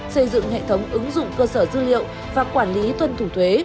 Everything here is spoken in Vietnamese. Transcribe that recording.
xây dựng hệ thống ứng dụng cơ sở dữ liệu và quản lý tuân thủ thuế